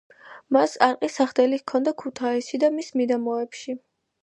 მას არყის სახდელი ჰქონდა ქუთაისში და მის მიდამოებში.